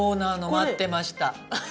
待ってました。